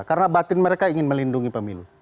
karena batin mereka ingin melindungi pemilu